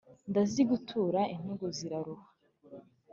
ndazigutura intugu ziraruha